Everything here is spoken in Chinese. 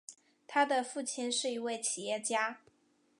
他的父亲是一位企业家。